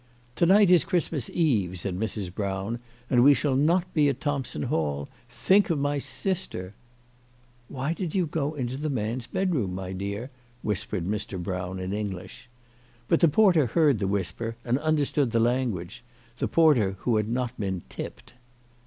"To night is Christmas Eve," said Mrs. Brown, " and we shall not be at Thompson Hall ! Think of my sister !" "Why did you go into the man's bedroom, my dear?" whispered Mr. Brown in English. But the porter heard the whisper, and understood the language ; the porter who had not been " tipped."